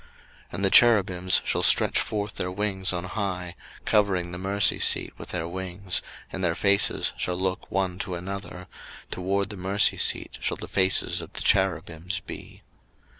02:025:020 And the cherubims shall stretch forth their wings on high, covering the mercy seat with their wings, and their faces shall look one to another; toward the mercy seat shall the faces of the cherubims be.